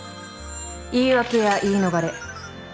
言い訳や言い逃れ。